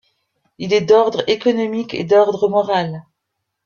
Il est d'ordre économique et d'ordre moral.